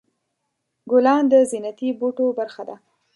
ګلان د زینتي بوټو برخه ده.